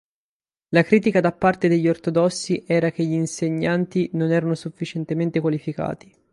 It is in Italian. La critica da parte degli ortodossi era che gli insegnanti non erano sufficientemente qualificati.